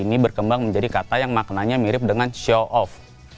ini berkembang menjadi kata yang maknanya mirip dengan show off